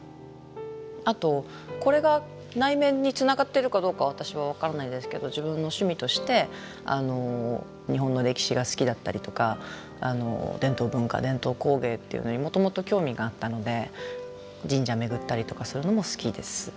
あとこれが内面につながってるかどうか私は分からないですけど自分の趣味として日本の歴史が好きだったりとか伝統文化伝統工芸っていうのにもともと興味があったので神社巡ったりとかするのも好きです。